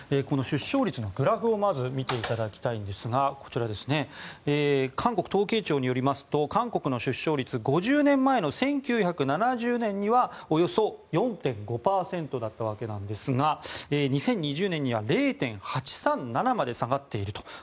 出生率のグラフをまず見ていただきたいんですがこちら、韓国統計庁によりますと韓国の出生率５０年前の１９７０年にはおよそ４．５％だったわけですが２０２０年には０．８３７まで下がっていると。